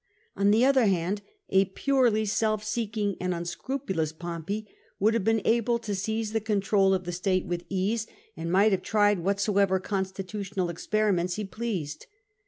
On the other hand, a purely self seeking and unscrupulous Pompey would have been able to seize the control of the state with ease, and might have tried whatsoever constitutional experiments he pleased.